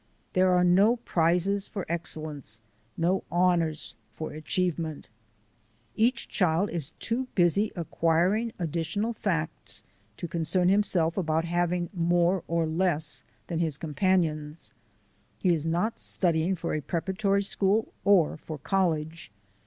There are no prizes for excellence, no honours for advancement. Each child is too busy acquiring additional facts to concern himself about having more or less than his companions. He is not studying for a prepara tory school or for college.